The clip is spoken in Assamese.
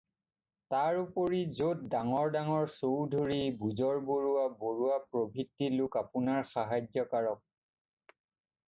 তাৰ উপৰি য'ত ডাঙৰ ডাঙৰ চৌধুৰী, বুজৰবৰুৱা, বৰুৱা প্ৰভৃতি লোক আপোনাৰ সাহায্যকাৰক।